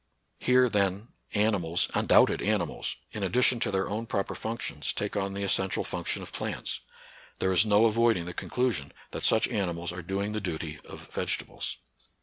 Here, then, animals, undoubted animals, in addition to their own proper functions, take on the essential func tion of plants. There is no avoiding the con clusion that such animals are doing .the duty of vegetables.